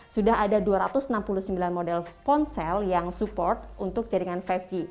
sudah ada dua ratus enam puluh sembilan model ponsel yang support untuk jaringan lima g